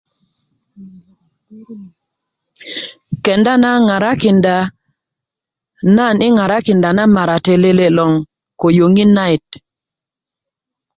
kenda na ŋarakinda nan yi ŋarakinda na marate lele' loŋ ko yöŋit nayit